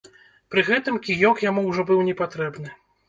Пры гэтым кіёк яму ўжо быў непатрэбны.